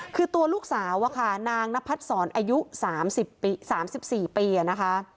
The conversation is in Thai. คือตัวลูกสาวนางนพัฒน์ศรอายุ๓๔ปีนะคะ